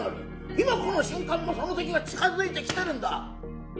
今この瞬間もその時が近づいてきてるんだ！